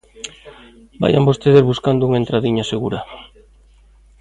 Vaian vostedes buscando unha entradiña segura.